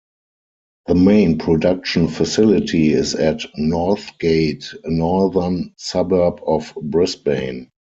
The main production facility is at Northgate, a northern suburb of Brisbane.